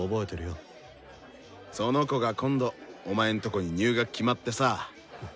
その子が今度お前んとこに入学決まってさ。